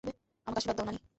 আমাকে আশীর্বাদ দাও নানি।